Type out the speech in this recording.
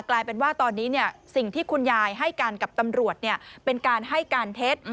กลายเป็นว่าตอนนี้สิ่งที่คุณยายให้การกับตำรวจเป็นการให้การเท็จ